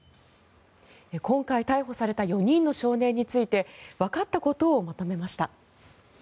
今回、逮捕された４人の少年についてわかったことをまとめました。